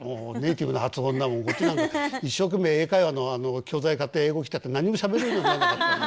こっちなんか一生懸命英会話の教材買って英語したって何にもしゃべれるようにならなかった。